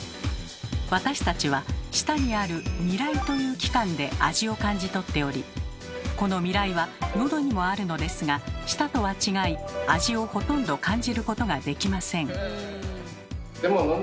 私たちは舌にある「味蕾」という器官で味を感じ取っておりこの味蕾はのどにもあるのですが舌とは違い味をほとんど感じることができません。